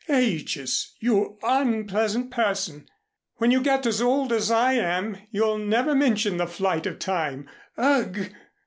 "Ages! You unpleasant person. When you get as old as I am, you'll never mention the flight of time. Ugh!"